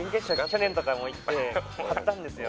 去年とかも行って買ったんですよ